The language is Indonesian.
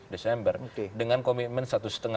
desember dengan komitmen